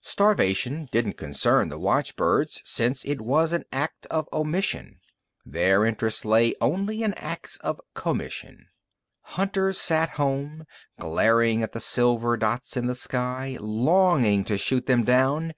Starvation didn't concern the watchbirds, since it was an act of omission. Their interest lay only in acts of commission. Hunters sat home, glaring at the silver dots in the sky, longing to shoot them down.